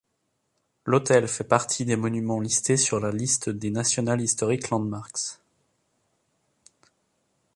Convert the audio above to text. L'hôtel fait partie des monuments listés sur la liste des National Historic Landmarks.